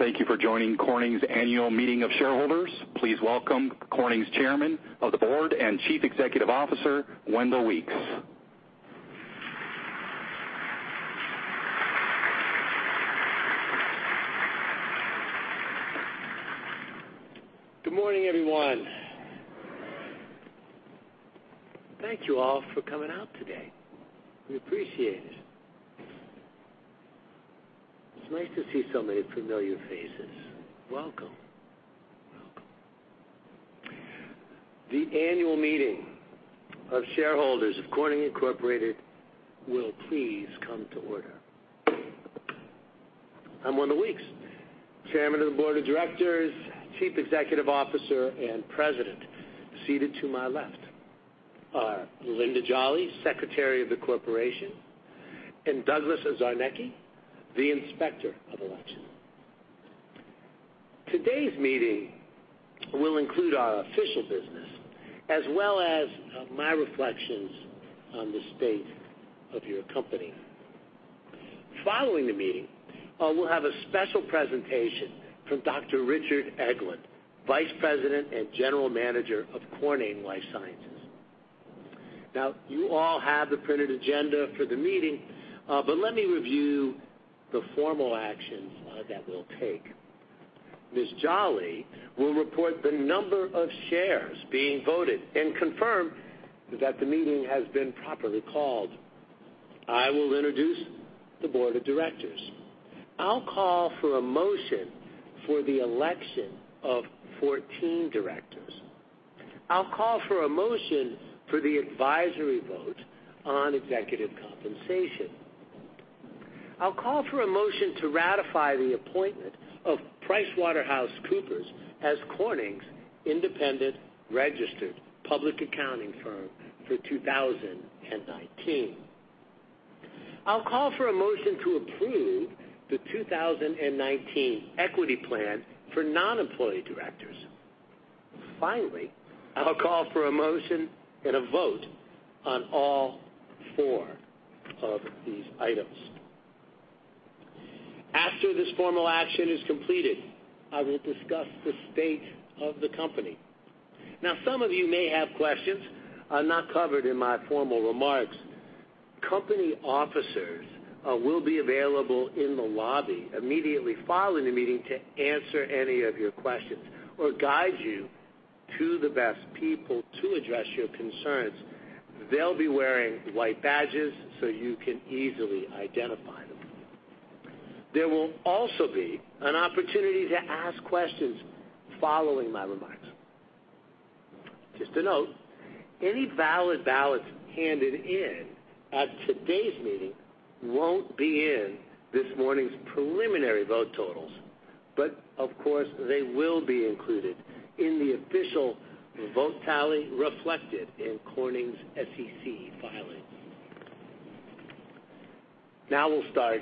Thank you for joining Corning's annual meeting of shareholders. Please welcome Corning's Chairman of the Board and Chief Executive Officer, Wendell Weeks. Good morning, everyone. Thank you all for coming out today. We appreciate it. It's nice to see so many familiar faces. Welcome. The annual meeting of shareholders of Corning Incorporated will please come to order. I'm Wendell Weeks, Chairman of the Board of Directors, Chief Executive Officer, and President. Seated to my left are Linda Jolly, Secretary of the Corporation, and Douglas Czarnecki, the Inspector of Election. Today's meeting will include our official business, as well as my reflections on the state of your company. Following the meeting, we'll have a special presentation from Dr. Richard Eglen, Vice President and General Manager of Corning Life Sciences. You all have the printed agenda for the meeting, but let me review the formal actions that we'll take. Ms. Jolly will report the number of shares being voted and confirm that the meeting has been properly called. I will introduce the board of directors. I'll call for a motion for the election of 14 directors. I'll call for a motion for the advisory vote on executive compensation. I'll call for a motion to ratify the appointment of PricewaterhouseCoopers as Corning's independent registered public accounting firm for 2019. I'll call for a motion to approve the 2019 equity plan for non-employee directors. Finally, I'll call for a motion and a vote on all four of these items. After this formal action is completed, I will discuss the state of the company. Some of you may have questions not covered in my formal remarks. Company officers will be available in the lobby immediately following the meeting to answer any of your questions or guide you to the best people to address your concerns. They'll be wearing white badges so you can easily identify them. There will also be an opportunity to ask questions following my remarks. Just a note, any valid ballots handed in at today's meeting won't be in this morning's preliminary vote totals, but of course, they will be included in the official vote tally reflected in Corning's SEC filing. We'll start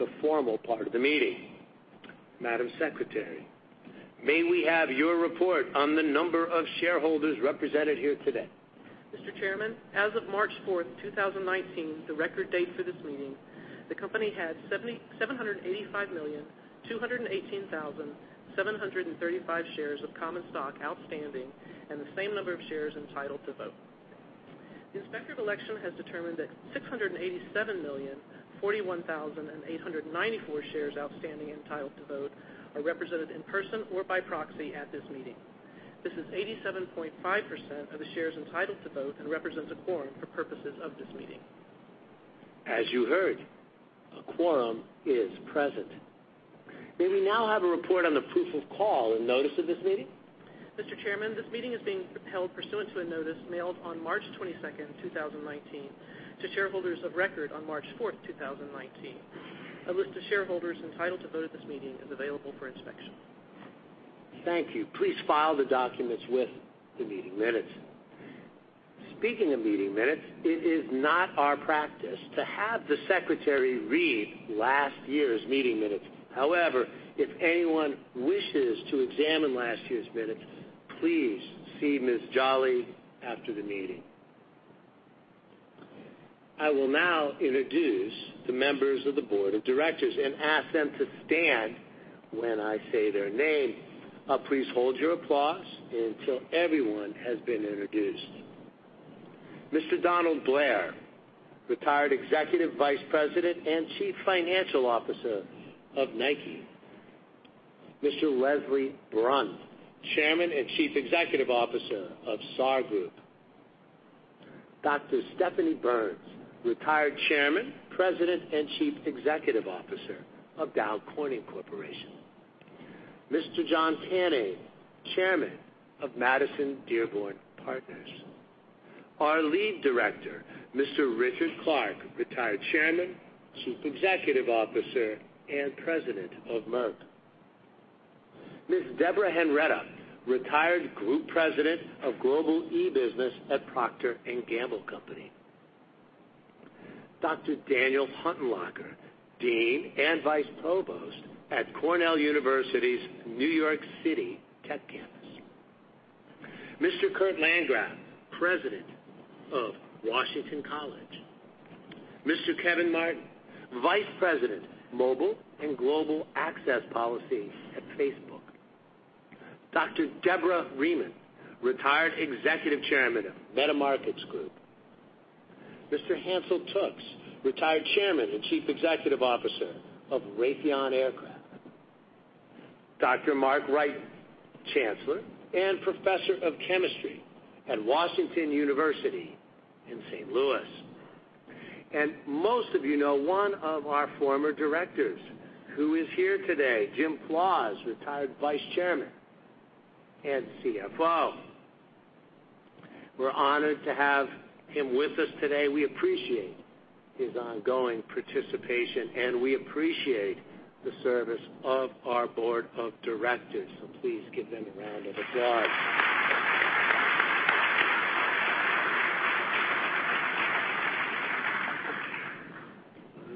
the formal part of the meeting. Madam Secretary, may we have your report on the number of shareholders represented here today? Mr. Chairman, as of March 4th, 2019, the record date for this meeting, the company had 785,218,735 shares of common stock outstanding and the same number of shares entitled to vote. The Inspector of Election has determined that 687,041,894 shares outstanding entitled to vote are represented in person or by proxy at this meeting. This is 87.5% of the shares entitled to vote and represents a quorum for purposes of this meeting. As you heard, a quorum is present. May we now have a report on the proof of call and notice of this meeting? Mr. Chairman, this meeting is being held pursuant to a notice mailed on March 22nd, 2019 to shareholders of record on March 4th, 2019. A list of shareholders entitled to vote at this meeting is available for inspection. Thank you. Please file the documents with the meeting minutes. Speaking of meeting minutes, it is not our practice to have the secretary read last year's meeting minutes. However, if anyone wishes to examine last year's minutes, please see Ms. Jolly after the meeting. I will now introduce the members of the board of directors and ask them to stand when I say their name. Please hold your applause until everyone has been introduced. Mr. Donald Blair, retired Executive Vice President and Chief Financial Officer of Nike. Mr. Leslie Brun, Chairman and Chief Executive Officer of Sarr Group. Dr. Stephanie Burns, retired Chairman, President, and Chief Executive Officer of Dow Corning Corporation. Mr. John Canning, Chairman of Madison Dearborn Partners. Our lead director, Mr. Richard Clark, retired Chairman, Chief Executive Officer, and President of Merck. Ms. Deborah Henretta, retired Group President of Global e-Business at Procter & Gamble Company. Dr. Daniel Huttenlocher, Dean and Vice Provost at Cornell University's New York City Tech campus. Mr. Kurt Landgraf, President of Washington College. Mr. Kevin Martin, Vice President, Mobile and Global Access Policy at Facebook. Dr. Deborah Rieman, retired Executive Chairman of MetaMarkets Group. Mr. Hansel Tookes, retired Chairman and Chief Executive Officer of Raytheon Aircraft. Dr. Mark Wrighton, Chancellor and Professor of Chemistry at Washington University in St. Louis. Most of you know one of our former directors, who is here today, Jim Flaws, retired Vice Chairman and CFO. We're honored to have him with us today. We appreciate his ongoing participation, and we appreciate the service of our board of directors. Please give them a round of applause.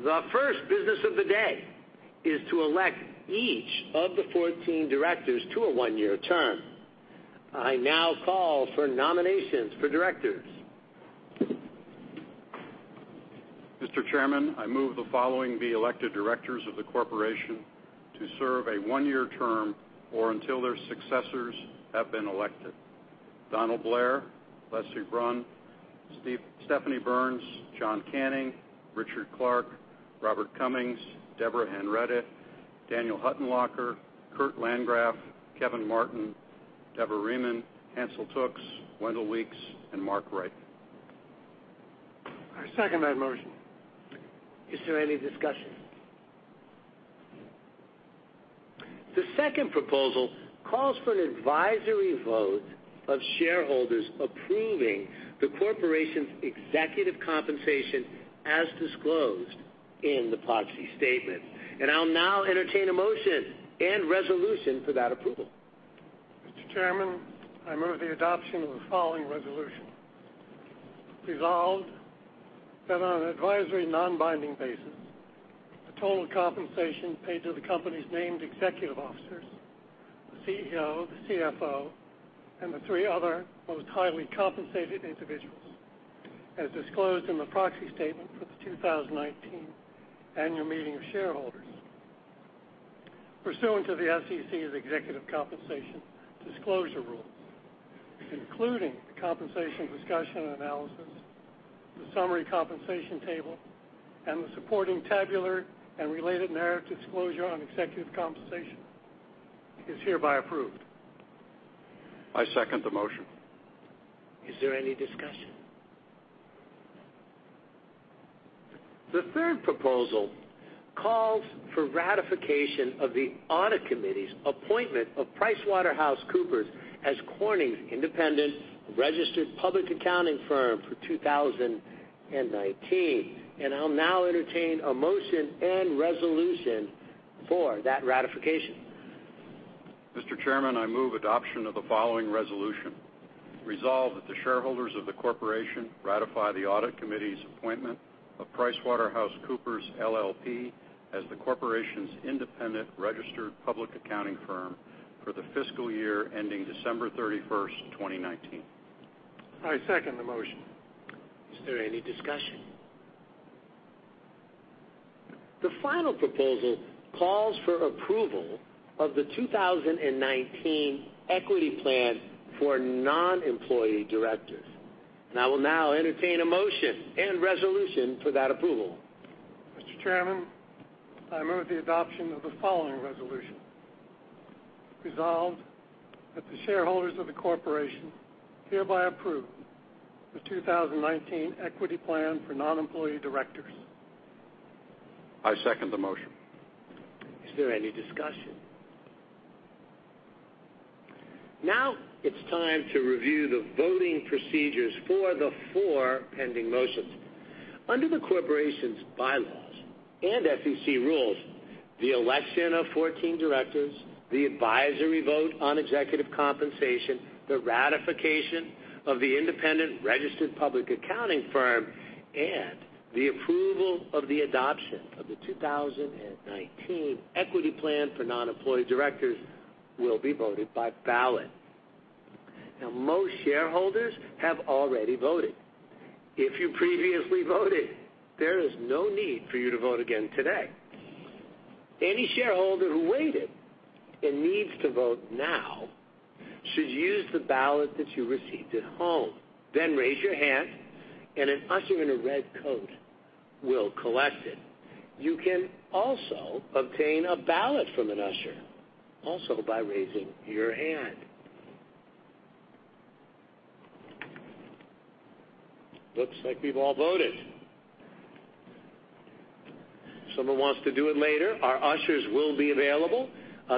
The first business of the day is to elect each of the 14 directors to a one-year term. I now call for nominations for directors. Mr. Chairman, I move the following be elected directors of the corporation to serve a one-year term or until their successors have been elected. Donald Blair, Leslie Brun, Stephanie Burns, John Canning, Richard Clark, Robert Cummings, Deborah Henretta, Daniel Huttenlocher, Kurt Landgraf, Kevin Martin, Deborah Rieman, Hansel Tookes, Wendell Weeks, and Mark Wrighton. I second that motion. Is there any discussion? The second proposal calls for an advisory vote of shareholders approving the corporation's executive compensation as disclosed in the proxy statement. I'll now entertain a motion and resolution for that approval. Mr. Chairman, I move the adoption of the following resolution. Resolved that on an advisory, non-binding basis, the total compensation paid to the company's named executive officers, the CEO, the CFO, and the three other most highly compensated individuals, as disclosed in the proxy statement for the 2019 annual meeting of shareholders pursuant to the SEC's Executive Compensation Disclosure rule, including the Compensation Discussion and Analysis, the Summary Compensation Table, and the supporting tabular and related narrative disclosure on executive compensation is hereby approved. I second the motion. Is there any discussion? The third proposal calls for ratification of the Audit Committee's appointment of PricewaterhouseCoopers as Corning's independent registered public accounting firm for 2019. I'll now entertain a motion and resolution for that ratification. Mr. Chairman, I move adoption of the following resolution. Resolve that the shareholders of the corporation ratify the Audit Committee's appointment of PricewaterhouseCoopers LLP as the corporation's independent registered public accounting firm for the fiscal year ending December 31st, 2019. I second the motion. Is there any discussion? The final proposal calls for approval of the 2019 equity plan for non-employee directors. I will now entertain a motion and resolution for that approval. Mr. Chairman, I move the adoption of the following resolution. Resolved that the shareholders of the corporation hereby approve the 2019 equity plan for non-employee directors. I second the motion. Is there any discussion? Now it's time to review the voting procedures for the four pending motions. Under the corporation's bylaws and SEC rules, the election of 14 directors, the advisory vote on executive compensation, the ratification of the independent registered public accounting firm, and the approval of the adoption of the 2019 equity plan for non-employee directors will be voted by ballot. Now, most shareholders have already voted. If you previously voted, there is no need for you to vote again today. Any shareholder who waited and needs to vote now should use the ballot that you received at home, then raise your hand and an usher in a red coat will collect it. You can also obtain a ballot from an usher, also by raising your hand. Looks like we've all voted. Someone wants to do it later, our ushers will be available.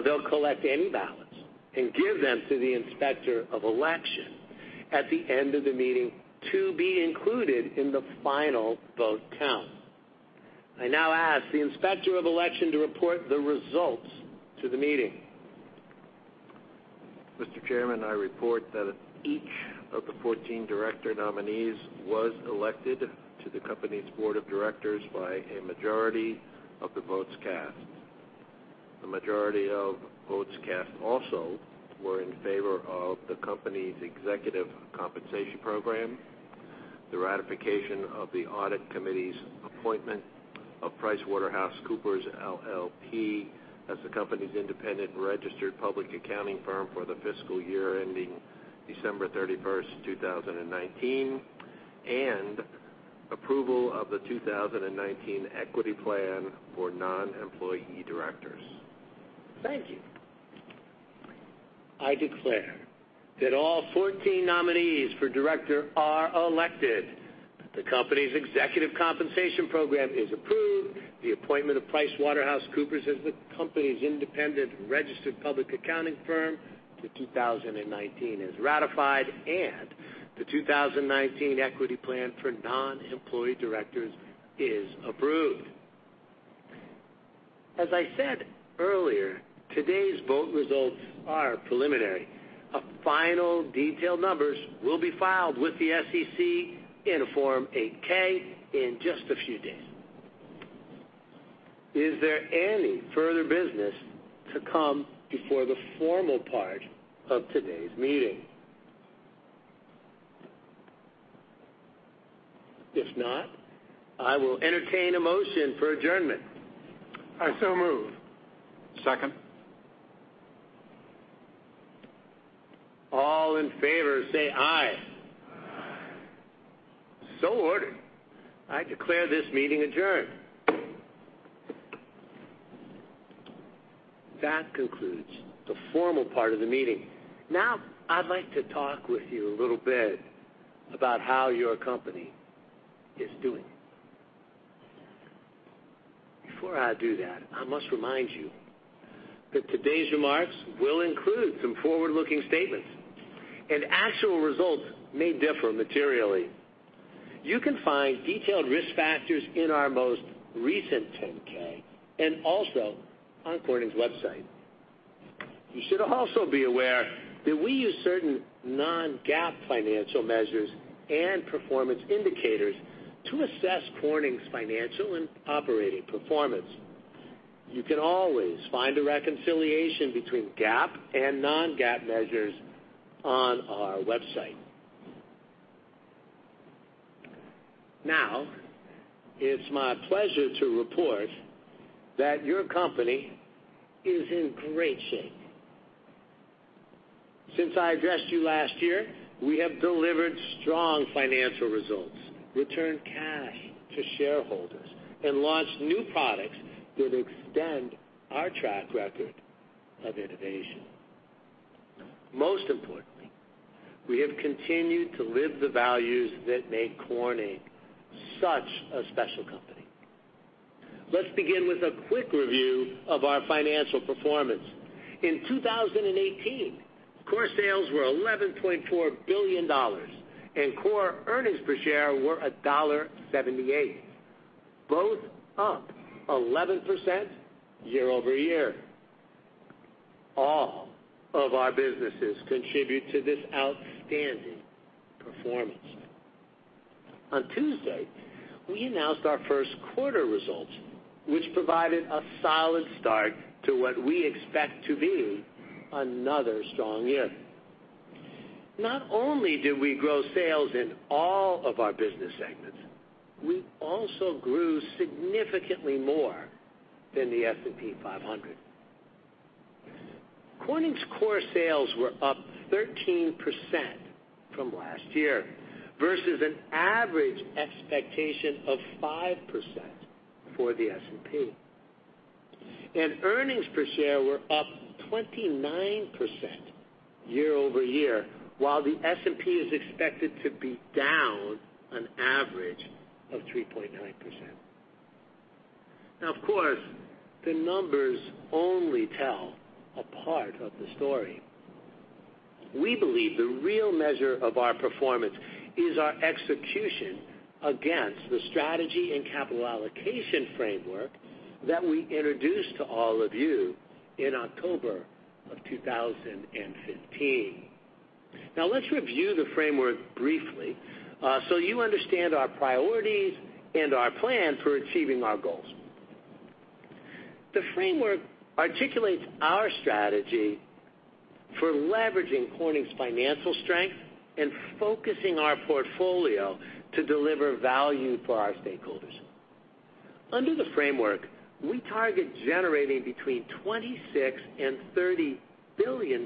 They'll collect any ballots and give them to the Inspector of Election at the end of the meeting to be included in the final vote count. I now ask the Inspector of Election to report the results to the meeting. Mr. Chairman, I report that each of the 14 director nominees was elected to the company's board of directors by a majority of the votes cast. The majority of votes cast also were in favor of the company's executive compensation program, the ratification of the audit committee's appointment of PricewaterhouseCoopers LLP as the company's independent registered public accounting firm for the fiscal year ending December 31st, 2019, and approval of the 2019 equity plan for non-employee directors. Thank you. I declare that all 14 nominees for director are elected, the company's executive compensation program is approved, the appointment of PricewaterhouseCoopers as the company's independent registered public accounting firm for 2019 is ratified, and the 2019 equity plan for non-employee directors is approved. As I said earlier, today's vote results are preliminary. A final detailed numbers will be filed with the SEC in a Form 8-K in just a few days. Is there any further business to come before the formal part of today's meeting? If not, I will entertain a motion for adjournment. I so move. Second. All in favor say, "Aye. Aye. Ordered. I declare this meeting adjourned. That concludes the formal part of the meeting. I'd like to talk with you a little bit about how your company is doing. Before I do that, I must remind you that today's remarks will include some forward-looking statements, and actual results may differ materially. You can find detailed risk factors in our most recent 10-K and also on Corning's website. You should also be aware that we use certain non-GAAP financial measures and performance indicators to assess Corning's financial and operating performance. You can always find a reconciliation between GAAP and non-GAAP measures on our website. It's my pleasure to report that your company is in great shape. Since I addressed you last year, we have delivered strong financial results, returned cash to shareholders, and launched new products that extend our track record of innovation. Most importantly, we have continued to live the values that make Corning such a special company. Let's begin with a quick review of our financial performance. In 2018, core sales were $11.4 billion, and core earnings per share were $1.78, both up 11% year-over-year. All of our businesses contribute to this outstanding performance. On Tuesday, we announced our first quarter results, which provided a solid start to what we expect to be another strong year. Not only did we grow sales in all of our business segments, we also grew significantly more than the S&P 500. Corning's core sales were up 13% from last year versus an average expectation of 5% for the S&P. Earnings per share were up 29% year-over-year, while the S&P is expected to be down an average of 3.9%. Of course, the numbers only tell a part of the story. We believe the real measure of our performance is our execution against the strategy and capital allocation framework that we introduced to all of you in October of 2015. Let's review the framework briefly so you understand our priorities and our plans for achieving our goals. The framework articulates our strategy for leveraging Corning's financial strength and focusing our portfolio to deliver value for our stakeholders. Under the framework, we target generating between $26 billion and $30 billion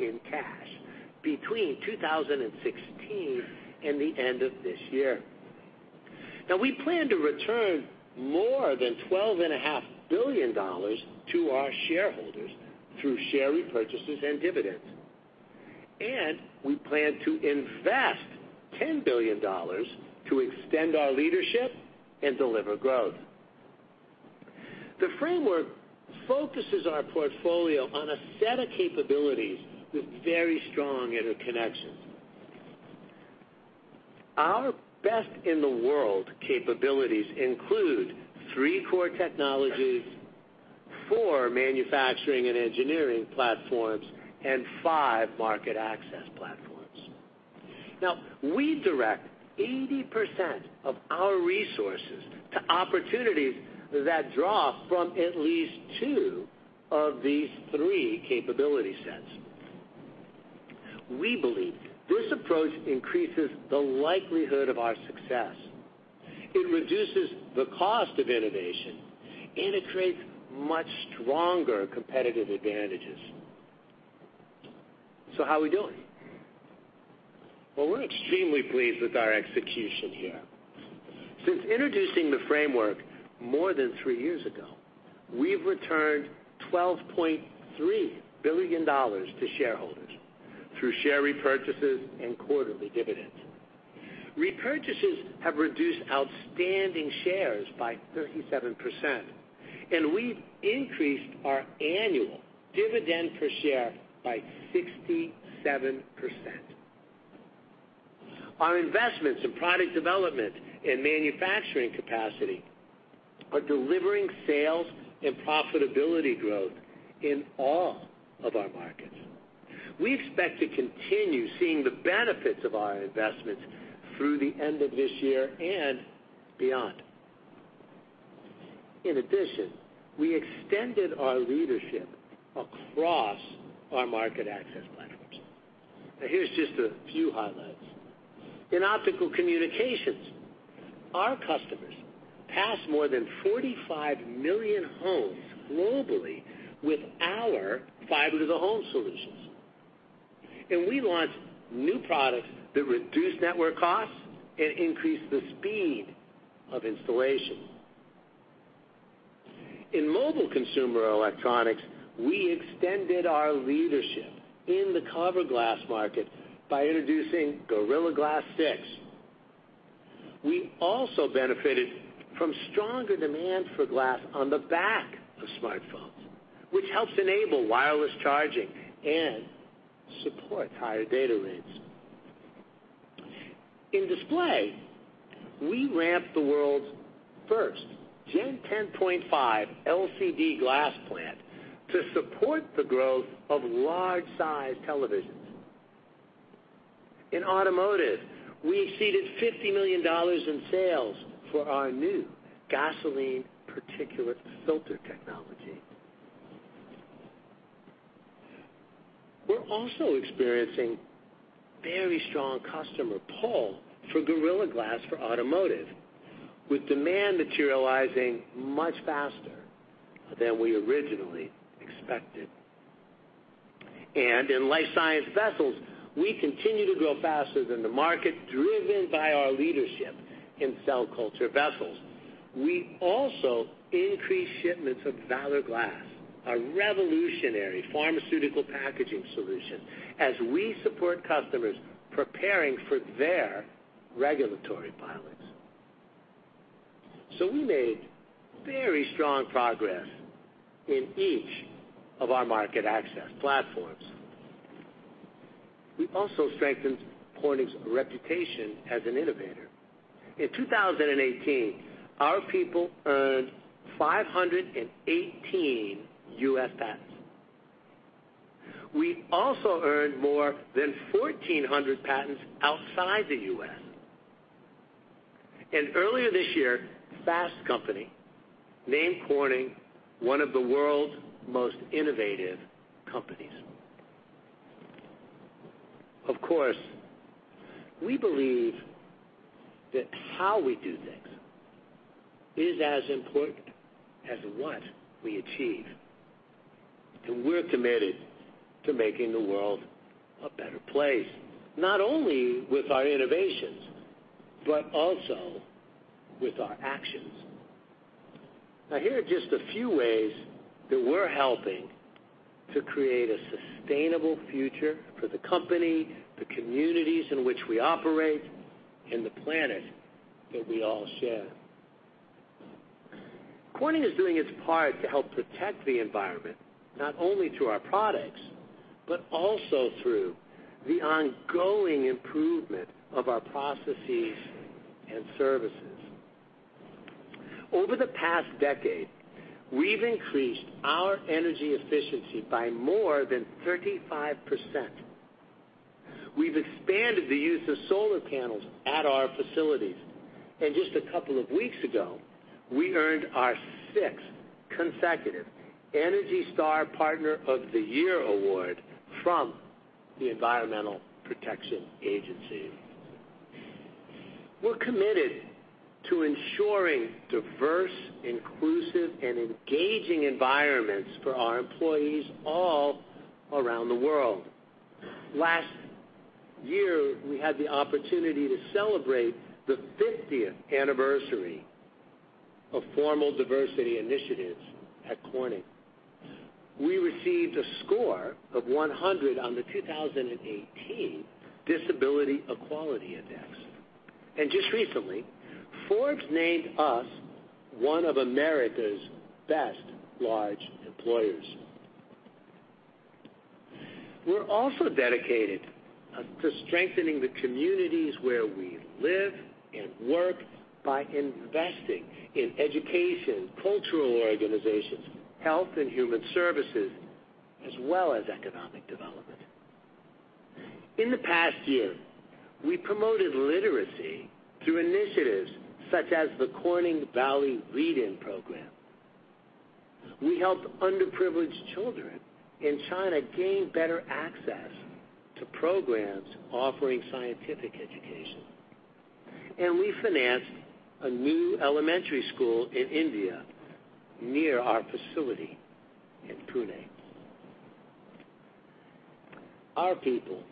in cash between 2016 and the end of this year. We plan to return more than $12.5 billion to our shareholders through share repurchases and dividends. We plan to invest $10 billion to extend our leadership and deliver growth. The framework focuses our portfolio on a set of capabilities with very strong interconnections. Our best-in-the-world capabilities include three core technologies, four manufacturing and engineering platforms, and five market access platforms. We direct 80% of our resources to opportunities that draw from at least two of these three capability sets. We believe this approach increases the likelihood of our success. It reduces the cost of innovation, it creates much stronger competitive advantages. How are we doing? Well, we're extremely pleased with our execution here. Since introducing the framework more than three years ago, we've returned $12.3 billion to shareholders through share repurchases and quarterly dividends. Repurchases have reduced outstanding shares by 37%. We've increased our annual dividend per share by 67%. Our investments in product development and manufacturing capacity are delivering sales and profitability growth in all of our markets. We expect to continue seeing the benefits of our investments through the end of this year and beyond. In addition, we extended our leadership across our market access platforms. Here's just a few highlights. In Optical Communications, our customers pass more than 45 million homes globally with our fiber-to-the-home solutions. We launched new products that reduce network costs and increase the speed of installation. In mobile consumer electronics, we extended our leadership in the cover glass market by introducing Gorilla Glass 6. We also benefited from stronger demand for glass on the back of smartphones, which helps enable wireless charging and support higher data rates. In display, we ramped the world's first Gen 10.5 LCD glass plant to support the growth of large-size televisions. In automotive, we exceeded $50 million in sales for our new Gasoline Particulate Filter technology. We're also experiencing very strong customer pull for Gorilla Glass for automotive, with demand materializing much faster than we originally expected. In life science vessels, we continue to grow faster than the market, driven by our leadership in cell culture vessels. We also increased shipments of Valor Glass, a revolutionary pharmaceutical packaging solution, as we support customers preparing for their regulatory filings. We made very strong progress in each of our market access platforms. We also strengthened Corning's reputation as an innovator. In 2018, our people earned 518 U.S. patents. We also earned more than 1,400 patents outside the U.S. Earlier this year, Fast Company named Corning one of the world's most innovative companies. Of course, we believe that how we do things is as important as what we achieve. We're committed to making the world a better place, not only with our innovations, but also with our actions. Now, here are just a few ways that we're helping to create a sustainable future for the company, the communities in which we operate, and the planet that we all share. Corning is doing its part to help protect the environment, not only through our products, but also through the ongoing improvement of our processes and services. Over the past decade, we've increased our energy efficiency by more than 35%. We've expanded the use of solar panels at our facilities. Just a couple of weeks ago, we earned our sixth consecutive ENERGY STAR Partner of the Year Award from the Environmental Protection Agency. We're committed to ensuring diverse, inclusive, and engaging environments for our employees all around the world. Last year, we had the opportunity to celebrate the 50th anniversary of formal diversity initiatives at Corning. We received a score of 100 on the 2018 Disability Equality Index. Just recently, Forbes named us one of America's best large employers. We're also dedicated to strengthening the communities where we live and work by investing in education, cultural organizations, health and human services as well as economic development. In the past year, we promoted literacy through initiatives such as the Corning Valley Read-In Program. We helped underprivileged children in China gain better access to programs offering scientific education, and we financed a new elementary school in India, near our facility in Pune. Our people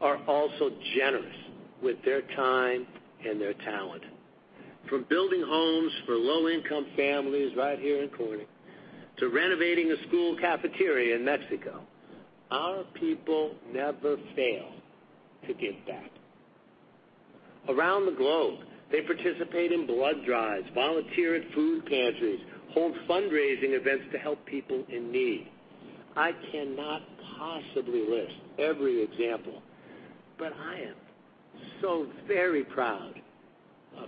are also generous with their time and their talent. From building homes for low-income families right here in Corning, to renovating a school cafeteria in Mexico, our people never fail to give back. Around the globe, they participate in blood drives, volunteer at food pantries, hold fundraising events to help people in need. I cannot possibly list every example, but I am so very proud of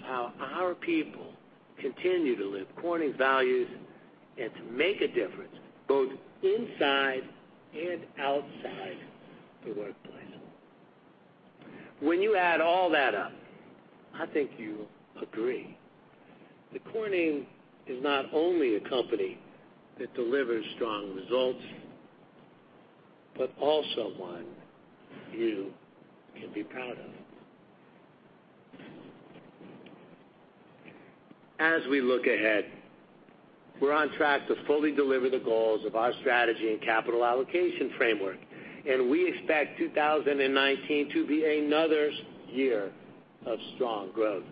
how our people continue to live Corning values and to make a difference both inside and outside the workplace. When you add all that up, I think you agree that Corning is not only a company that delivers strong results, but also one you can be proud of. As we look ahead, we're on track to fully deliver the goals of our strategy and capital allocation framework, and we expect 2019 to be another year of strong growth.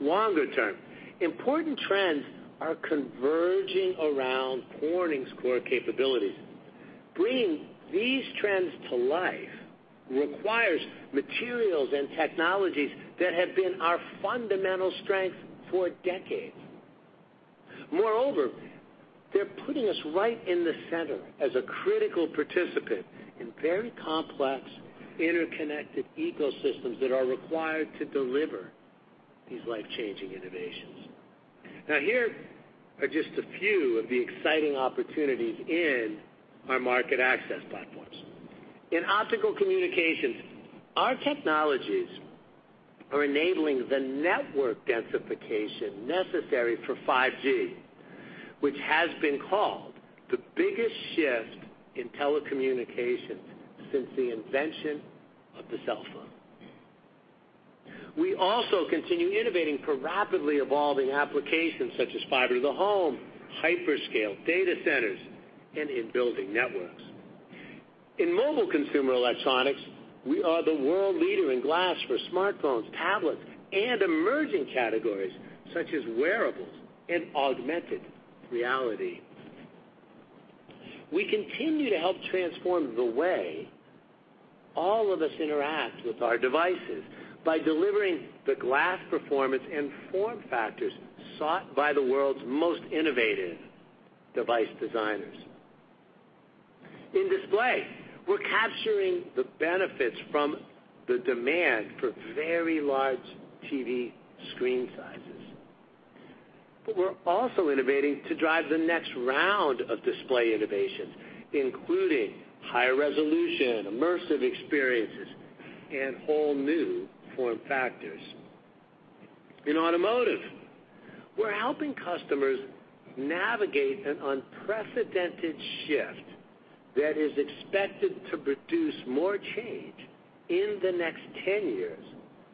Longer term, important trends are converging around Corning's core capabilities. Bringing these trends to life requires materials and technologies that have been our fundamental strength for decades. Moreover, they're putting us right in the center as a critical participant in very complex, interconnected ecosystems that are required to deliver these life-changing innovations. Now, here are just a few of the exciting opportunities in our market access platforms. In Optical Communications, our technologies are enabling the network densification necessary for 5G, which has been called the biggest shift in telecommunications since the invention of the cell phone. We also continue innovating for rapidly evolving applications such as fiber to the home, hyperscale data centers, and in building networks. In mobile consumer electronics, we are the world leader in glass for smartphones, tablets, and emerging categories such as wearables and augmented reality. We continue to help transform the way all of us interact with our devices by delivering the glass performance and form factors sought by the world's most innovative device designers. In display, we're capturing the benefits from the demand for very large TV screen sizes, but we're also innovating to drive the next round of display innovations, including higher resolution, immersive experiences, and whole new form factors. In automotive, we're helping customers navigate an unprecedented shift that is expected to produce more change in the next 10 years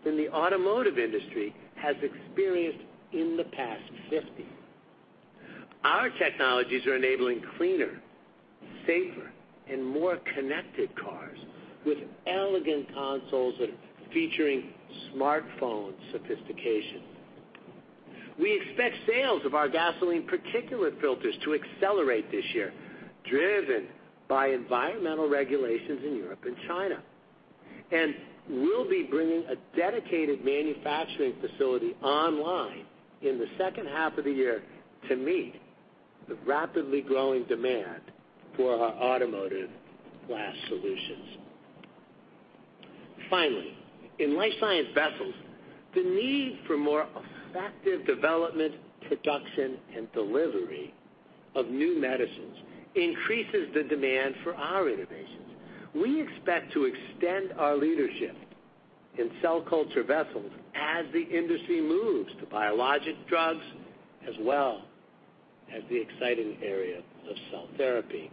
than the automotive industry has experienced in the past 50. Our technologies are enabling cleaner, safer, and more connected cars with elegant consoles that are featuring smartphone sophistication. We expect sales of our Gasoline Particulate Filters to accelerate this year, driven by environmental regulations in Europe and China. We'll be bringing a dedicated manufacturing facility online in the second half of the year to meet the rapidly growing demand for our automotive glass solutions. Finally, in life science vessels, the need for more effective development, production, and delivery of new medicines increases the demand for our innovations. We expect to extend our leadership in cell culture vessels as the industry moves to biologic drugs, as well as the exciting area of cell therapy.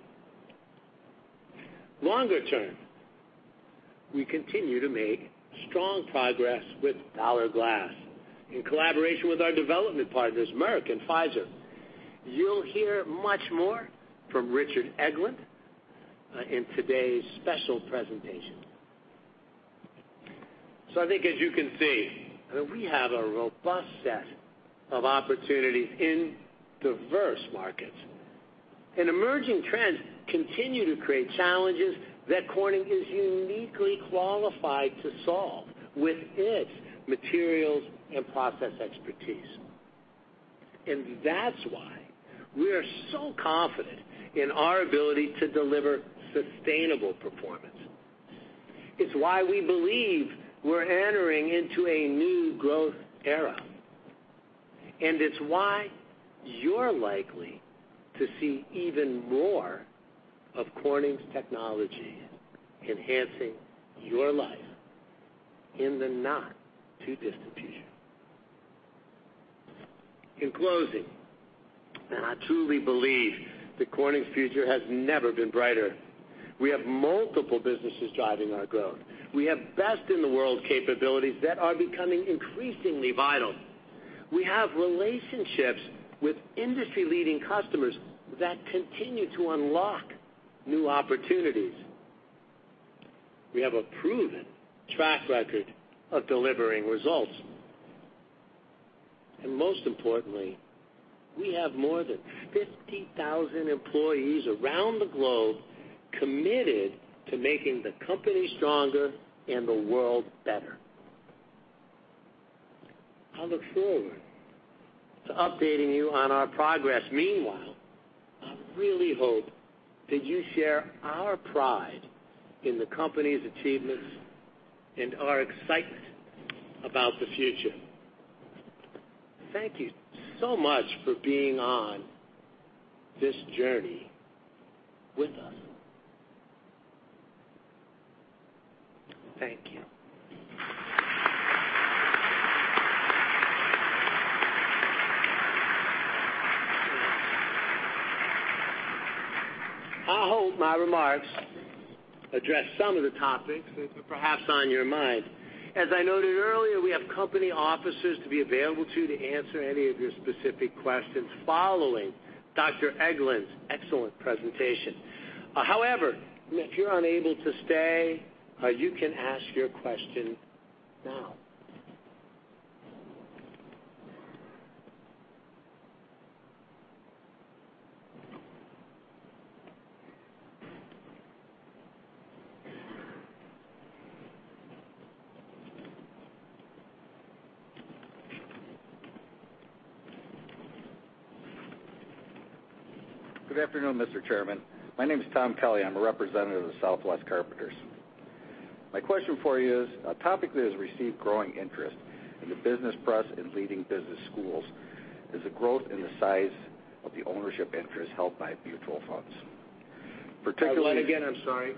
Longer term, we continue to make strong progress with Valor Glass in collaboration with our development partners, Merck and Pfizer. You'll hear much more from Richard Eglen in today's special presentation. I think, as you can see, that we have a robust set of opportunities in diverse markets, emerging trends continue to create challenges that Corning is uniquely qualified to solve with its materials and process expertise. That's why we are so confident in our ability to deliver sustainable performance. It's why we believe we're entering into a new growth era. It's why you're likely to see even more of Corning's technology enhancing your life in the not too distant future. In closing, I truly believe that Corning's future has never been brighter. We have multiple businesses driving our growth. We have best-in-the-world capabilities that are becoming increasingly vital. We have relationships with industry-leading customers that continue to unlock new opportunities. We have a proven track record of delivering results. Most importantly, we have more than 50,000 employees around the globe committed to making the company stronger and the world better. I look forward to updating you on our progress. Meanwhile, I really hope that you share our pride in the company's achievements and our excitement about the future. Thank you so much for being on this journey with us. Thank you. I hope my remarks address some of the topics that were perhaps on your mind. As I noted earlier, we have company officers to be available to answer any of your specific questions following Dr. Eglen's excellent presentation. If you're unable to stay, you can ask your question now. Good afternoon, Mr. Chairman. My name is Tom Kelly. I'm a representative of the Southwest Carpenters. My question for you is, a topic that has received growing interest in the business press and leading business schools, is the growth in the size of the ownership interest held by mutual funds. Your line again, I'm sorry.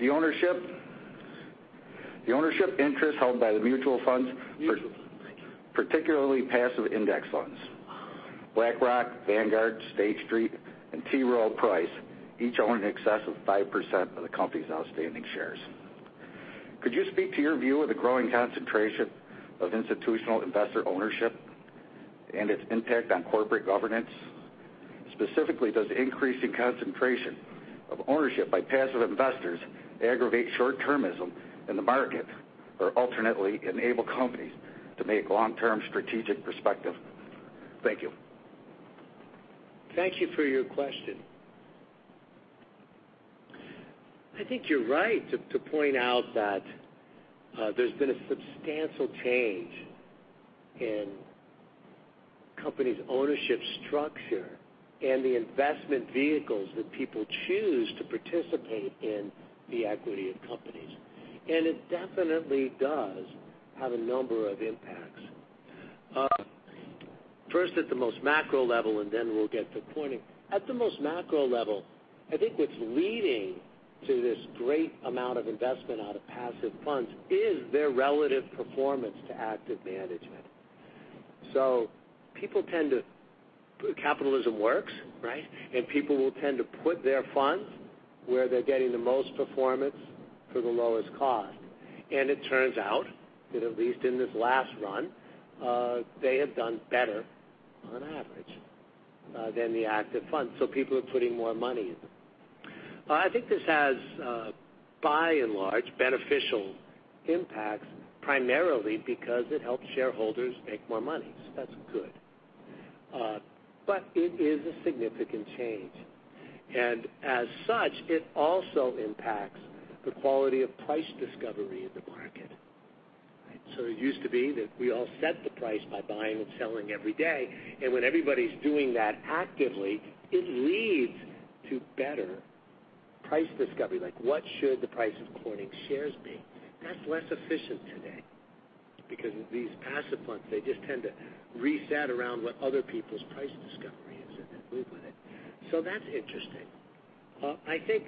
The ownership interest held by the mutual funds. Mutual funds. Thank you particularly passive index funds. BlackRock, Vanguard, State Street, and T. Rowe Price, each own in excess of 5% of the company's outstanding shares. Could you speak to your view of the growing concentration of institutional investor ownership and its impact on corporate governance? Specifically, does increasing concentration of ownership by passive investors aggravate short-termism in the market, or alternately, enable companies to make long-term strategic perspective? Thank you. Thank you for your question. I think you're right to point out that there's been a substantial change in company's ownership structure and the investment vehicles that people choose to participate in the equity of companies. It definitely does have a number of impacts. First, at the most macro level, then we'll get to Corning. At the most macro level, I think what's leading to this great amount of investment out of passive funds is their relative performance to active management. People tend to-- Capitalism works, right? People will tend to put their funds where they're getting the most performance for the lowest cost. It turns out that at least in this last run, they have done better on average, than the active funds. People are putting more money in them. I think this has, by and large, beneficial impacts, primarily because it helps shareholders make more money. That's good. It is a significant change. As such, it also impacts the quality of price discovery in the market. It used to be that we all set the price by buying and selling every day, and when everybody's doing that actively, it leads to better price discovery, like what should the price of Corning shares be? That's less efficient today because these passive funds, they just tend to reset around what other people's price discovery is, and then move with it. That's interesting. I think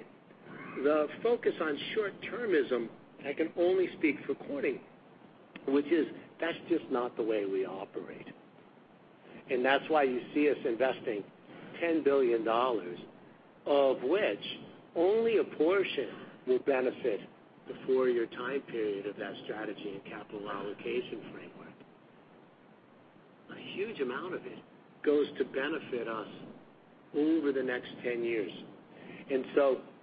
the focus on short-termism, I can only speak for Corning, which is, that's just not the way we operate. That's why you see us investing $10 billion, of which only a portion will benefit the four-year time period of that strategy and capital allocation framework. A huge amount of it goes to benefit us over the next 10 years.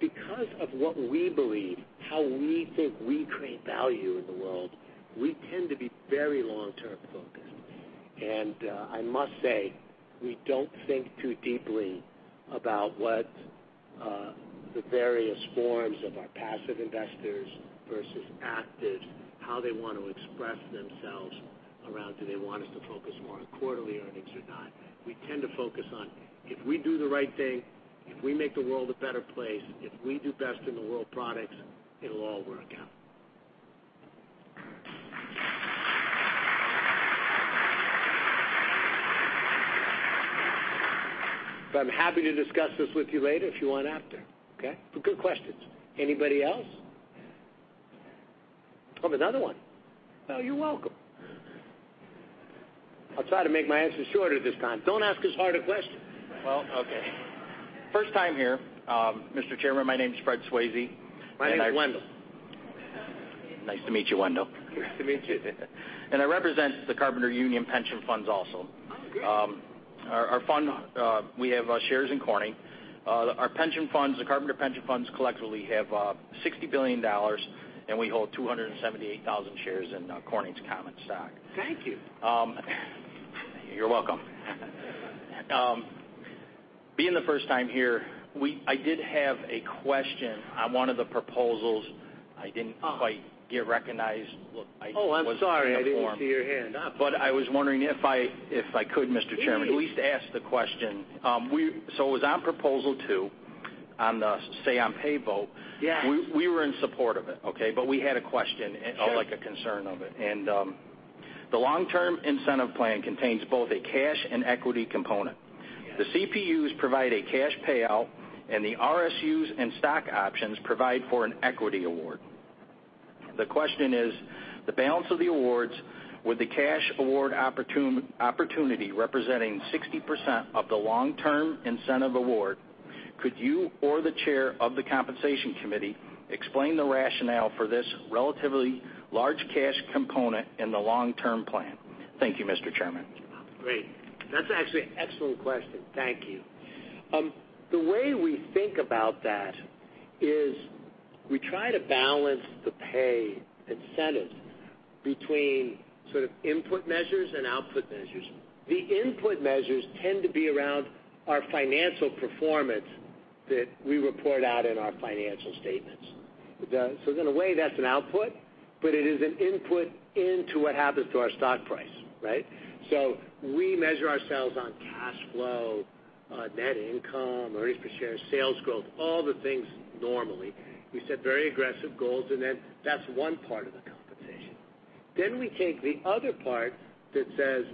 Because of what we believe, how we think we create value in the world, we tend to be very long-term focused. I must say, we don't think too deeply about what the various forms of our passive investors versus actives, how they want to express themselves around, do they want us to focus more on quarterly earnings or not. We tend to focus on if we do the right thing, if we make the world a better place, if we do best in the world products. It'll all work out. I'm happy to discuss this with you later if you want after, okay? Good questions. Anybody else? Another one. You're welcome. I'll try to make my answers shorter this time. Don't ask as hard a question. Well, okay. First time here. Mr. Chairman, my name is Fred Swayze. My name is Wendell. Nice to meet you, Wendell. Nice to meet you. I represent the Carpenter Union Pension Funds also. Oh, great. Our fund, we have shares in Corning. Our pension funds, the Carpenter pension funds, collectively have $60 billion, and we hold 278,000 shares in Corning's common stock. Thank you. You're welcome. Being the first time here, I did have a question on one of the proposals. I didn't quite get recognized. Look, I wasn't in the form. Oh, I'm sorry. I didn't see your hand up. I was wondering if I could, Mr. Chairman. Please at least ask the question. It was on proposal 2, on the say on pay vote. Yes. We were in support of it, okay. We had a question. Sure Or a concern of it. The long-term incentive plan contains both a cash and equity component. Yes. The CPUs provide a cash payout, the RSUs and stock options provide for an equity award. The question is, the balance of the awards, with the cash award opportunity representing 60% of the long-term incentive award, could you or the chair of the compensation committee explain the rationale for this relatively large cash component in the long-term plan? Thank you, Mr. Chairman. Great. That's actually an excellent question. Thank you. The way we think about that is we try to balance the pay incentives between input measures and output measures. The input measures tend to be around our financial performance that we report out in our financial statements. In a way, that's an output, but it is an input into what happens to our stock price, right? We measure ourselves on cash flow, net income, earnings per share, sales growth, all the things normally. We set very aggressive goals, that's one part of the compensation. We take the other part that says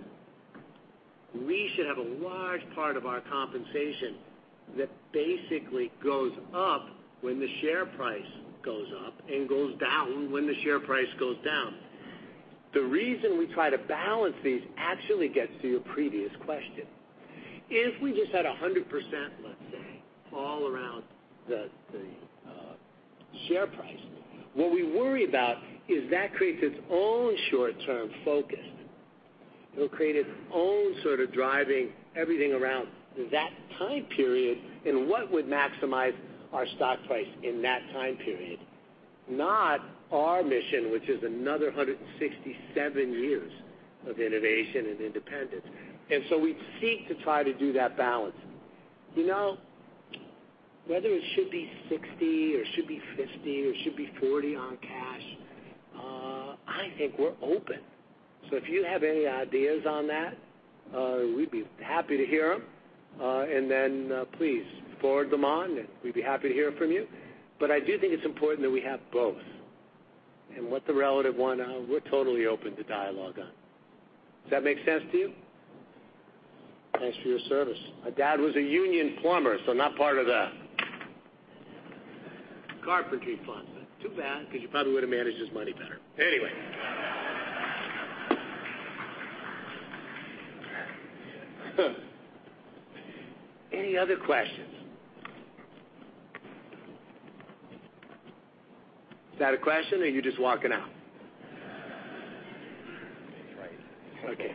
we should have a large part of our compensation that basically goes up when the share price goes up and goes down when the share price goes down. The reason we try to balance these actually gets to your previous question. If we just had 100%, let's say, all around the share price, what we worry about is that creates its own short-term focus. It'll create its own sort of driving everything around that time period and what would maximize our stock price in that time period, not our mission, which is another 167 years of innovation and independence. We seek to try to do that balance. Whether it should be 60 or should be 50 or should be 40 on cash, I think we're open. If you have any ideas on that, we'd be happy to hear them. Please forward them on, and we'd be happy to hear from you. I do think it's important that we have both. What the relative one, we're totally open to dialogue on. Does that make sense to you? Thanks for your service. My dad was a union plumber, not part of the carpentry fund, too bad, because he probably would've managed his money better. Anyway. Any other questions? Is that a question, or are you just walking out? That's right. Okay.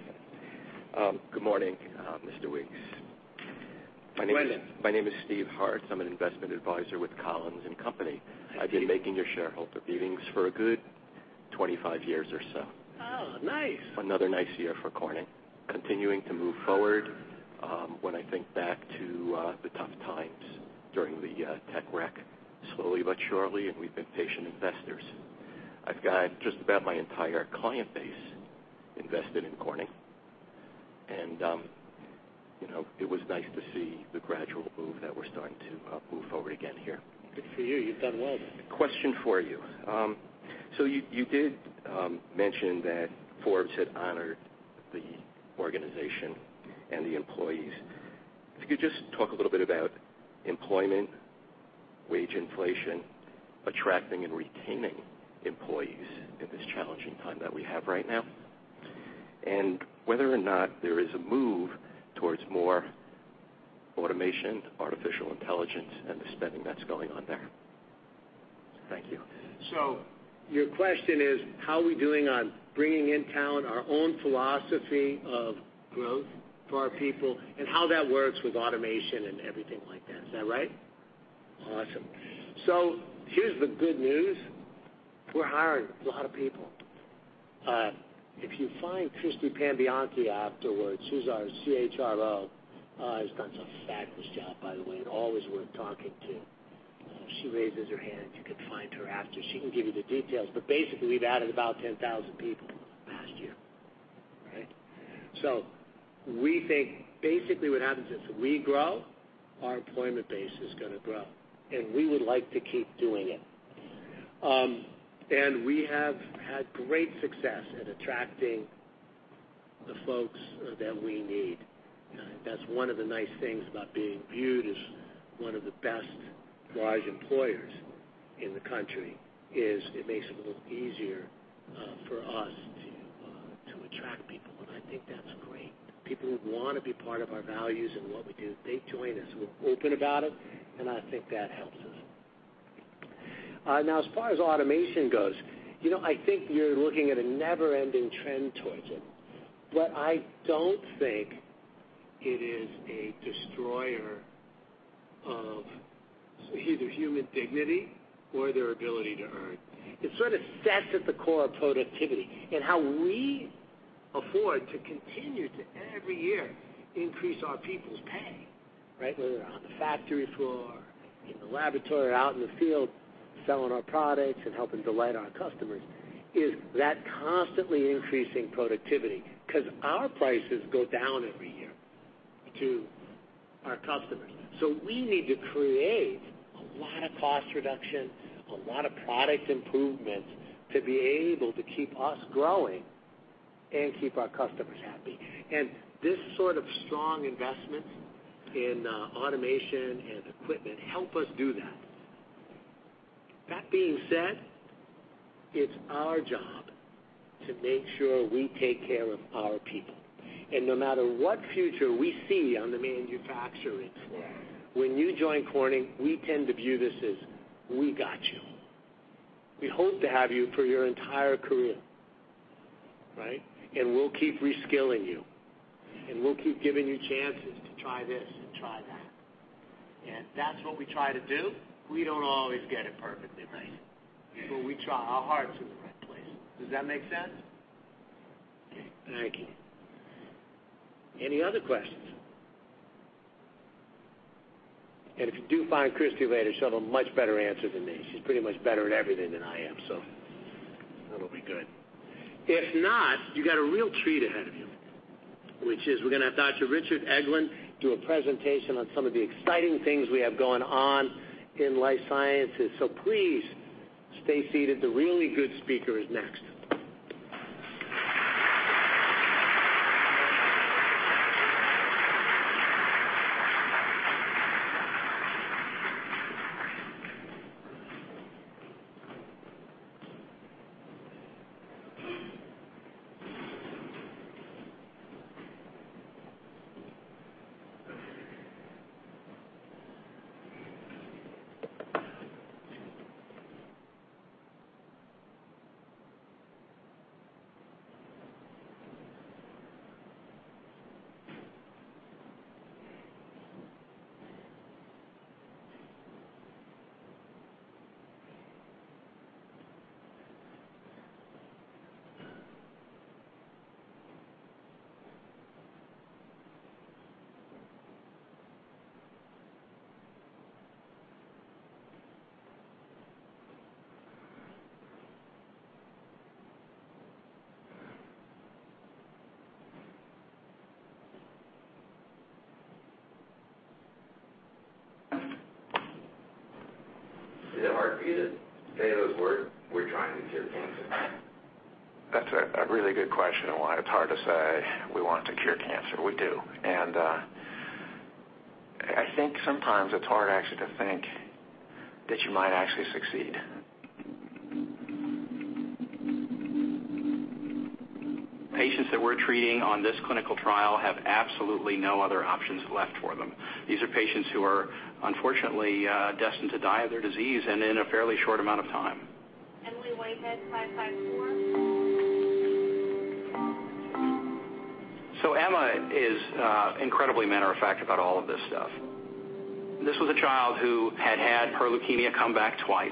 Good morning, Mr. Weeks. Wendell. My name is Stephen Harts. I'm an investment advisor with Collins and Company. Nice to meet you. I've been making your shareholder meetings for a good 25 years or so. Oh, nice. Another nice year for Corning. Continuing to move forward, when I think back to the tough times during the tech wreck, slowly but surely. We've been patient investors. I've got just about my entire client base invested in Corning. It was nice to see the gradual move that we're starting to move forward again here. Good for you. You've done well then. Question for you. You did mention that Forbes had honored the organization and the employees. If you could just talk a little bit about employment, wage inflation, attracting and retaining employees in this challenging time that we have right now, and whether or not there is a move towards more automation, artificial intelligence, and the spending that's going on there. Thank you. Your question is how we doing on bringing in town our own philosophy of growth for our people and how that works with automation and everything like that. Is that right? Awesome. Here's the good news. We're hiring a lot of people. If you find Christy Pambianchi afterwards, she's our CHRO, has done some fabulous job, by the way, and always worth talking to. If she raises her hand, you can find her after. She can give you the details, but basically, we've added about 10,000 people last year. We think basically what happens is we grow, our employment base is going to grow, and we would like to keep doing it. We have had great success at attracting the folks that we need. That's one of the nice things about being viewed as one of the best large employers in the country, is it makes it a little easier for us to attract people, and I think that's great. People who want to be part of our values and what we do, they join us. We're open about it, and I think that helps us. As far as automation goes, I think you're looking at a never-ending trend towards it. I don't think it is a destroyer of either human dignity or their ability to earn. It sort of sits at the core of productivity and how we afford to continue to, every year, increase our people's pay. Whether they're on the factory floor, in the laboratory, out in the field selling our products and helping delight our customers, is that constantly increasing productivity, because our prices go down every year to our customers. We need to create a lot of cost reduction, a lot of product improvements to be able to keep us growing and keep our customers happy. This sort of strong investment in automation and equipment help us do that. That being said, it's our job to make sure we take care of our people. No matter what future we see on the manufacturing floor, when you join Corning, we tend to view this as, we got you. We hope to have you for your entire career. We'll keep re-skilling you, and we'll keep giving you chances to try this and try that. That's what we try to do. We don't always get it perfectly right, we try our hearts in the right place. Does that make sense? Okay, thank you. Any other questions? If you do find Christy later, she'll have a much better answer than me. She's pretty much better at everything than I am, so that'll be good. If not, you got a real treat ahead of you, which is we're going to have Dr. Richard Eglen do a presentation on some of the exciting things we have going on in life sciences. Please stay seated. The really good speaker is next. Is it hard for you to say those words, "We're trying to cure cancer? That's a really good question on why it's hard to say we want to cure cancer. We do. I think sometimes it's hard actually to think that you might actually succeed. Patients that we're treating on this clinical trial have absolutely no other options left for them. These are patients who are unfortunately destined to die of their disease and in a fairly short amount of time. Emily Whitehead, 554. Emma is incredibly matter of fact about all of this stuff. This was a child who had had her leukemia come back twice.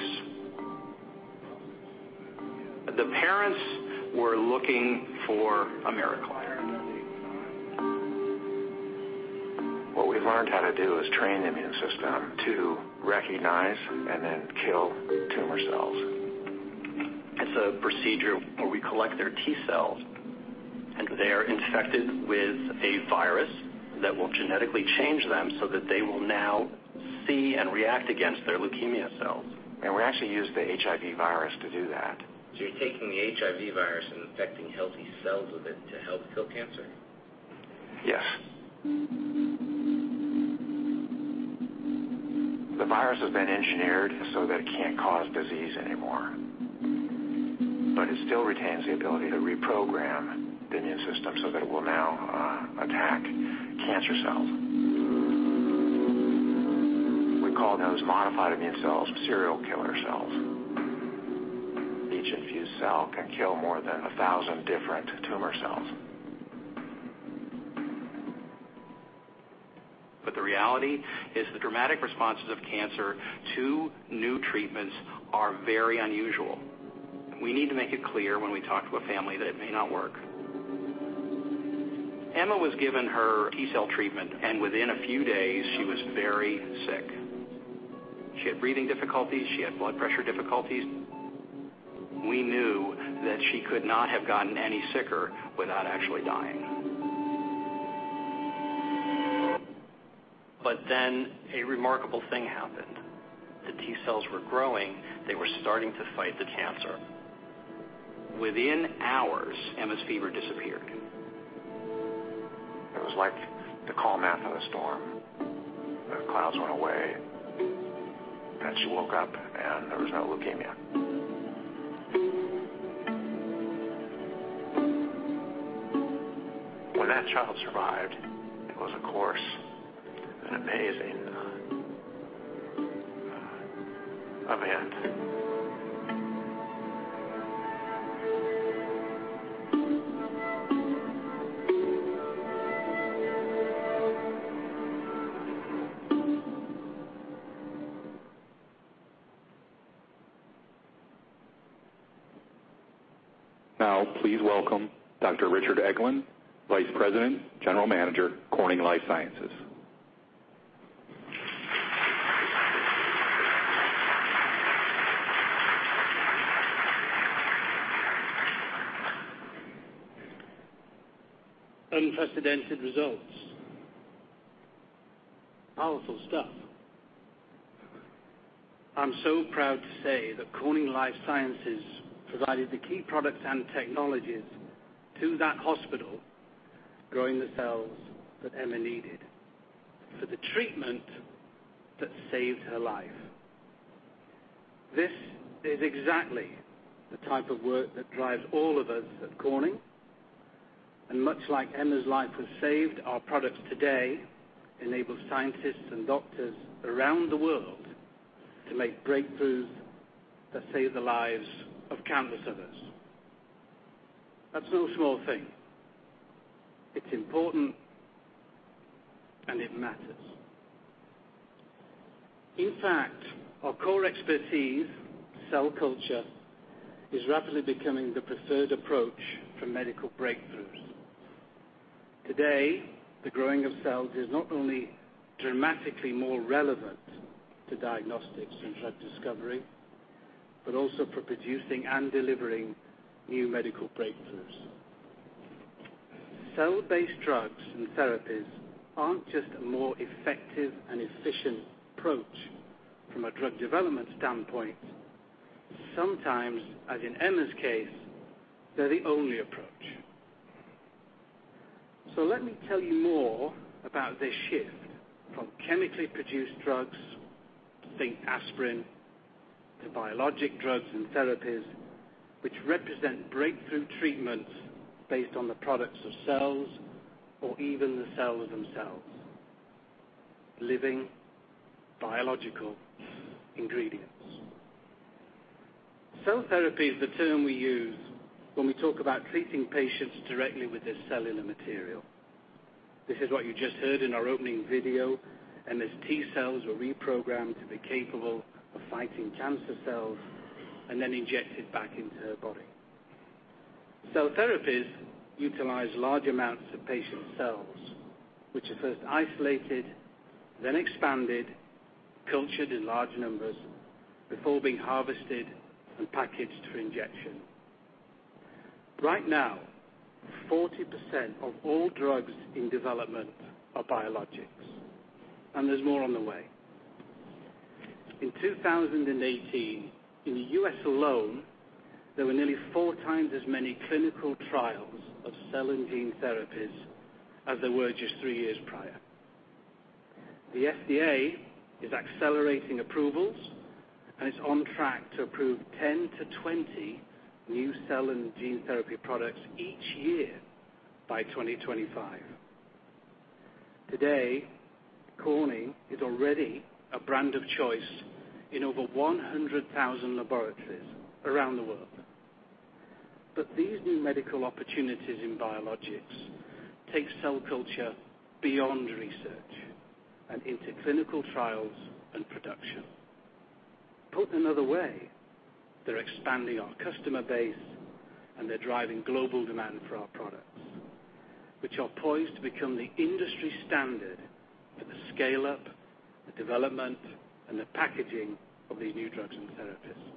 The parents were looking for a miracle. What we've learned how to do is train the immune system to recognize and then kill tumor cells. It's a procedure where we collect their T-cells, and they are infected with a virus that will genetically change them so that they will now see and react against their leukemia cells. We actually use the HIV virus to do that. You're taking the HIV virus and infecting healthy cells with it to help kill cancer? Yes. The virus has been engineered so that it can't cause disease anymore. It still retains the ability to reprogram the immune system so that it will now attack cancer cells. We call those modified immune cells serial killer cells. Each infused cell can kill more than 1,000 different tumor cells. The reality is the dramatic responses of cancer to new treatments are very unusual. We need to make it clear when we talk to a family that it may not work. Emma was given her T-cell treatment, and within a few days she was very sick. She had breathing difficulties. She had blood pressure difficulties. We knew that she could not have gotten any sicker without actually dying. A remarkable thing happened. The T-cells were growing. They were starting to fight the cancer. Within hours, Emma's fever disappeared. It was like the calm after the storm. The clouds went away, and she woke up, and there was no leukemia. When that child survived, it was, of course, an amazing event. Now, please welcome Dr. Richard Eglen, Vice President, General Manager, Corning Life Sciences. Unprecedented results. Powerful stuff. I'm so proud to say that Corning Life Sciences provided the key products and technologies to that hospital, growing the cells that Emma needed for the treatment that saved her life. This is exactly the type of work that drives all of us at Corning, and much like Emma's life was saved, our products today enable scientists and doctors around the world to make breakthroughs that save the lives of countless others. That's no small thing. It's important, and it matters. In fact, our core expertise, cell culture, is rapidly becoming the preferred approach for medical breakthroughs. Today, the growing of cells is not only dramatically more relevant to diagnostics and drug discovery, but also for producing and delivering new medical breakthroughs. Cell-based drugs and therapies aren't just a more effective and efficient approach from a drug development standpoint. Sometimes, as in Emma's case, they're the only approach. Let me tell you more about this shift from chemically produced drugs, think aspirin, to biologic drugs and therapies, which represent breakthrough treatments based on the products of cells or even the cells themselves, living biological ingredients. Cell therapy is the term we use when we talk about treating patients directly with this cellular material. This is what you just heard in our opening video, Emma's T-cells were reprogrammed to be capable of fighting cancer cells and then injected back into her body. Cell therapies utilize large amounts of patient cells, which are first isolated, then expanded, cultured in large numbers before being harvested and packaged for injection. Right now, 40% of all drugs in development are biologics. There's more on the way. In 2018, in the U.S. alone, there were nearly four times as many clinical trials of cell and gene therapies as there were just three years prior. The FDA is accelerating approvals and is on track to approve 10 to 20 new cell and gene therapy products each year by 2025. Today, Corning is already a brand of choice in over 100,000 laboratories around the world. These new medical opportunities in biologics take cell culture beyond research and into clinical trials and production. Put another way, they're expanding our customer base, and they're driving global demand for our products, which are poised to become the industry standard for the scale-up, the development, and the packaging of these new drugs and therapies.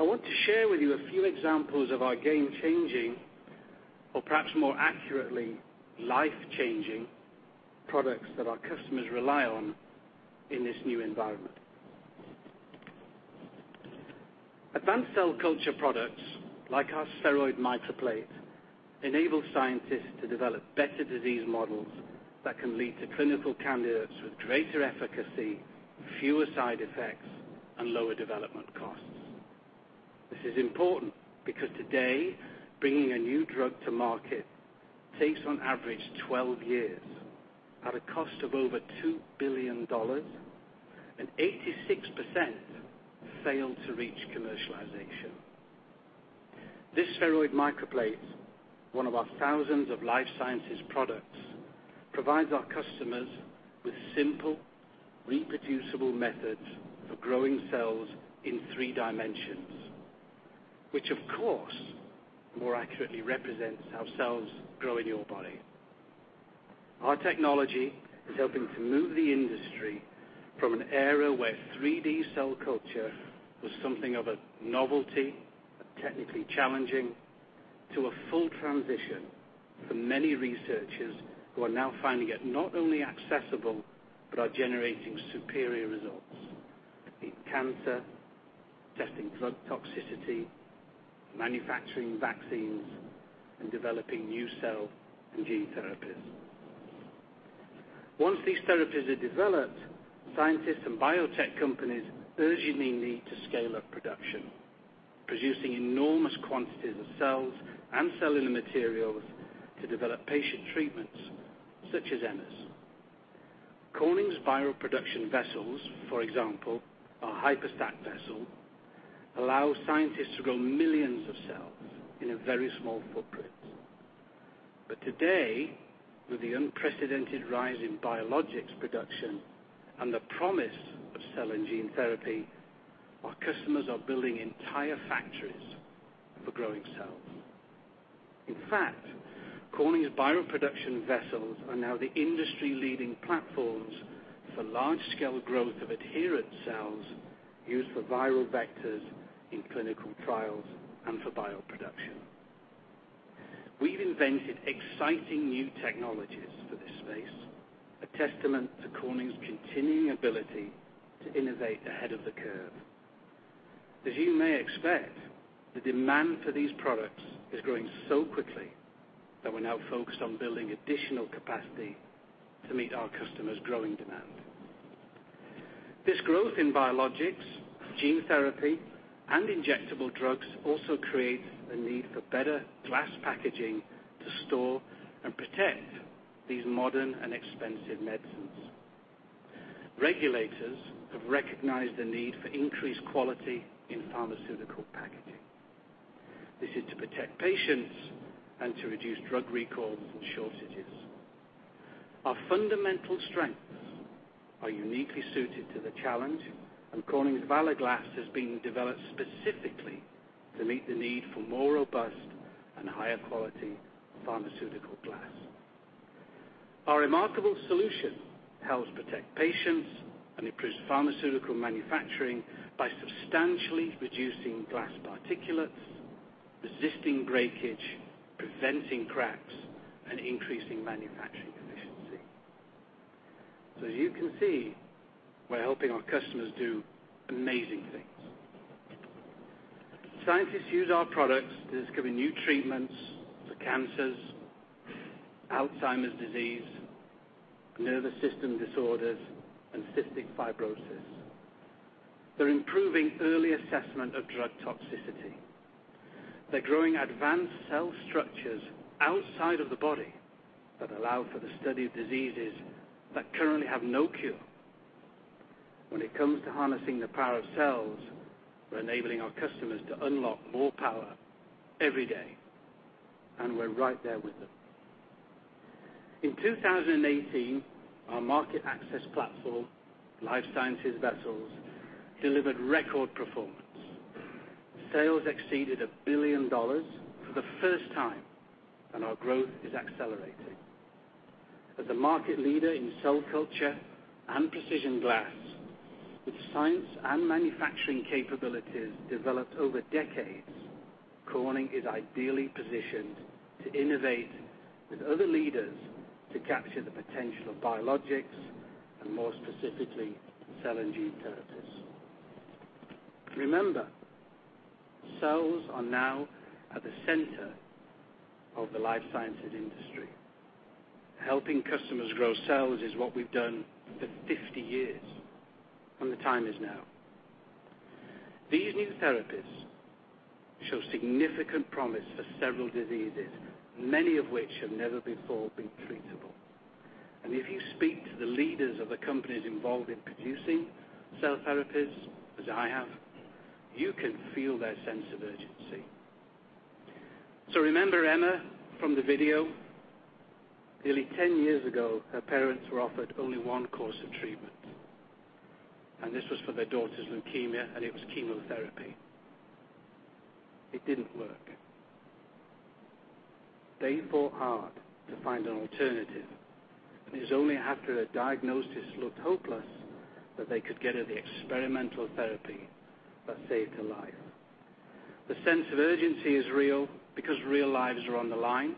I want to share with you a few examples of our game-changing, or perhaps more accurately, life-changing products that our customers rely on in this new environment. Advanced cell culture products, like our Spheroid Microplate, enable scientists to develop better disease models that can lead to clinical candidates with greater efficacy, fewer side effects, and lower development costs. This is important because today, bringing a new drug to market takes on average 12 years at a cost of over $2 billion, and 86% fail to reach commercialization. This Spheroid Microplate, one of our thousands of life sciences products, provides our customers with simple, reproducible methods for growing cells in three dimensions, which, of course, more accurately represents how cells grow in your body. Our technology is helping to move the industry from an era where 3D cell culture was something of a novelty, but technically challenging, to a full transition for many researchers who are now finding it not only accessible, but are generating superior results in cancer, testing drug toxicity, manufacturing vaccines, and developing new cell and gene therapies. Once these therapies are developed, scientists and biotech companies urgently need to scale up production, producing enormous quantities of cells and cellular materials to develop patient treatments, such as Emma's. Corning's viral production vessels, for example, our HYPERStack vessel, allow scientists to grow millions of cells in a very small footprint. Today, with the unprecedented rise in biologics production and the promise of cell and gene therapy, our customers are building entire factories for growing cells. In fact, Corning's viral production vessels are now the industry-leading platforms for large-scale growth of adherent cells used for viral vectors in clinical trials and for bioproduction. We've invented exciting new technologies for this space, a testament to Corning's continuing ability to innovate ahead of the curve. As you may expect, the demand for these products is growing so quickly that we're now focused on building additional capacity to meet our customers' growing demand. This growth in biologics, gene therapy, and injectable drugs also creates a need for better glass packaging to store and protect these modern and expensive medicines. Regulators have recognized the need for increased quality in pharmaceutical packaging. This is to protect patients and to reduce drug recalls and shortages. Our fundamental strengths are uniquely suited to the challenge, Corning's Valor Glass is being developed specifically to meet the need for more robust and higher quality pharmaceutical glass. Our remarkable solution helps protect patients and improves pharmaceutical manufacturing by substantially reducing glass particulates, resisting breakage, preventing cracks, and increasing manufacturing efficiency. As you can see, we're helping our customers do amazing things. Scientists use our products to discover new treatments for cancers, Alzheimer's disease, nervous system disorders, and cystic fibrosis. They're improving early assessment of drug toxicity. They're growing advanced cell structures outside of the body that allow for the study of diseases that currently have no cure. When it comes to harnessing the power of cells, we're enabling our customers to unlock more power every day, and we're right there with them. In 2018, our market access platform, Life Sciences vessels, delivered record performance. Sales exceeded $1 billion for the first time, our growth is accelerating. As a market leader in cell culture and precision glass with science and manufacturing capabilities developed over decades, Corning is ideally positioned to innovate with other leaders to capture the potential of biologics and more specifically, cell and gene therapies. Remember, cells are now at the center of the life sciences industry. Helping customers grow cells is what we've done for 50 years, the time is now. These new therapies show significant promise for several diseases, many of which have never before been treatable. If you speak to the leaders of the companies involved in producing cell therapies, as I have, you can feel their sense of urgency. Remember Emma from the video? Nearly 10 years ago, her parents were offered only one course of treatment, this was for their daughter's leukemia, it was chemotherapy. It didn't work. They fought hard to find an alternative, it's only after a diagnosis looked hopeless that they could get her the experimental therapy that saved her life. The sense of urgency is real because real lives are on the line,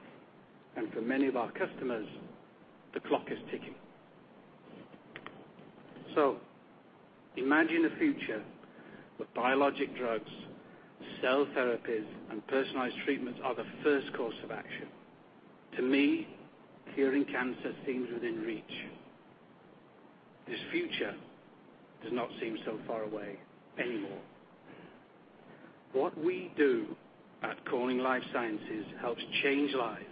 for many of our customers, the clock is ticking. Imagine a future where biologic drugs, cell therapies, and personalized treatments are the first course of action. To me, curing cancer seems within reach. This future does not seem so far away anymore. What we do at Corning Life Sciences helps change lives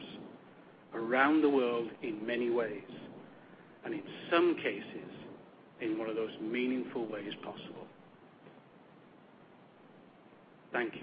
around the world in many ways, in some cases, in one of those meaningful ways possible. Thank you